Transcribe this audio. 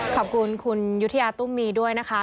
ขอบคุณคุณยุธยาตุ้มมีด้วยนะคะ